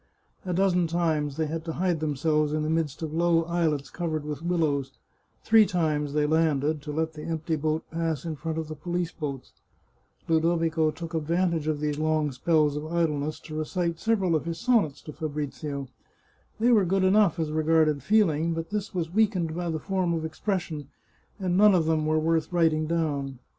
A dozen times they had to hide themselves in the midst of low islets covered with willows ; three times they landed, to let the empty boat pass in front of the police boats. Ludovico took advantage of these long spells of 211 The Chartreuse of Parma idleness to recite several of his sonnets to Fabrizio. They were good enough as regarded feeling, but this was weak ened by the form of expression, and none of them were worth writing down.